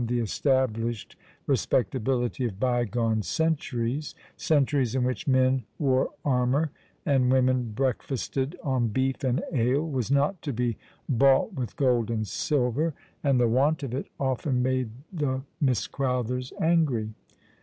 a> the established respectability of bygone cent aries— centuries in which men wore armour and women breakfasted on beef and ale — was not to be bought with gold and silver, and the want of it often made the Miss Crowthers angry.